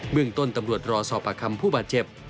เมืองต้นตำรวจรอสอบประคำผู้บาดเจ็บ